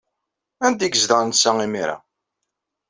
Anda ay yezdeɣ netta imir-a?